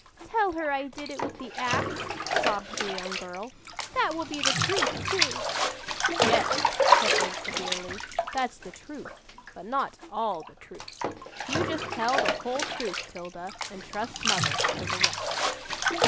"Tell her I did it with the ax," sobbed the young girl. "That will be the truth, too." "Yes," said Abe severely, "that's the truth, but not all the truth. You just tell the whole truth, 'Tilda, and trust mother for the rest."